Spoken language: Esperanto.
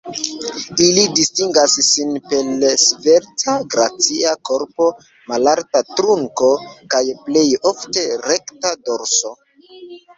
Ili distingas sin per svelta, gracia korpo, malalta trunko kaj plej ofte rekta dorso.